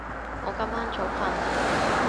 我今晚早瞓